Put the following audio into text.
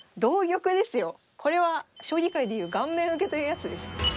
これは将棋界で言う顔面受けというやつです。